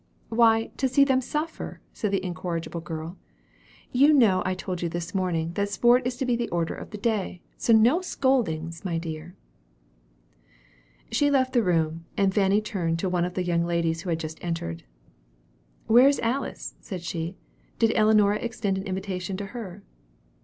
"Why, to see them suffer," said the incorrigible girl. "You know I told you this morning, that sport is to be the order of the day. So no scoldings, my dear." She left the room, and Fanny turned to one of the ladies who had just entered. "Where is Alice," said she. "Did not Ellinora extend an invitation to her?"